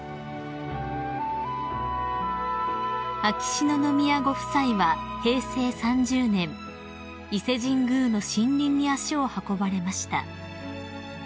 ［秋篠宮ご夫妻は平成３０年伊勢神宮の森林に足を運ばれました］